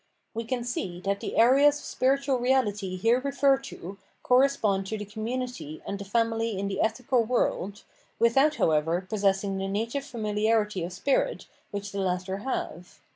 We can see that the areas of spiritual reality here referred to correspond to the Community and the Family in the ethical world, without, however, possess ing the native fanuharity of spirit which the latter have.